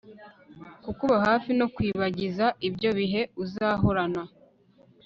kukuba hafi no kwibagiza ibyo bihe uzahorana